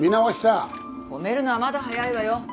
褒めるのはまだ早いわよ。